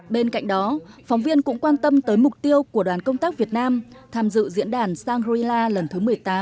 bên cạnh đó phóng viên cũng quan tâm tới mục tiêu của đoàn công tác việt nam tham dự diễn đàn shangri la lần thứ một mươi tám